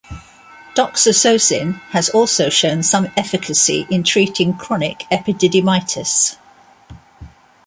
Doxazosin has also shown some efficacy in treating chronic epididymitis.